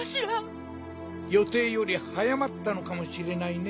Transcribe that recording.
よていよりはやまったのかもしれないね。